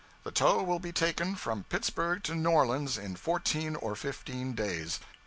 The tow will be taken from Pittsburg to New Orleans in fourteen or fifteen days.